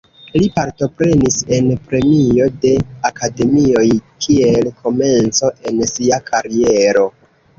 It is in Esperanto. Li partoprenis en premio de akademioj kiel komenco en sia kariero.